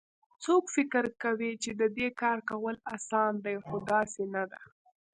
څوک فکر کوي چې د دې کار کول اسان دي خو داسي نه ده